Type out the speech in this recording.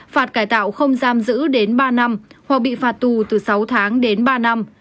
phạt cải tạo không giam giữ đến ba năm hoặc bị phạt tù từ sáu tháng đến ba năm